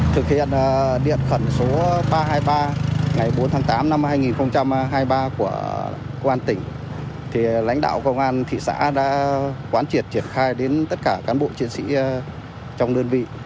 thực hiện điện khẩn số ba trăm hai mươi ba ngày bốn tháng tám năm hai nghìn hai mươi ba của công an tỉnh lãnh đạo công an thị xã đã quán triệt triển khai đến tất cả cán bộ chiến sĩ trong đơn vị